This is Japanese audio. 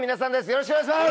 よろしくお願いします！